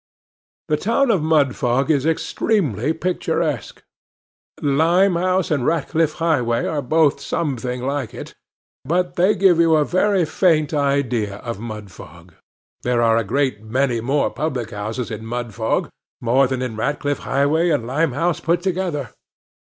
The town of Mudfog is extremely picturesque. Limehouse and Ratcliff Highway are both something like it, but they give you a very faint idea of Mudfog. There are a great many more public houses in Mudfog—more than in Ratcliff Highway and Limehouse put together.